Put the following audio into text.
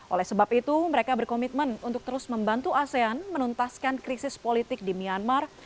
oleh sebab itu mereka berkomitmen untuk terus membantu asean menuntaskan krisis politik di myanmar